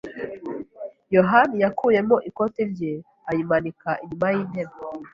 yohani yakuyemo ikoti rye ayimanika inyuma y'intebe.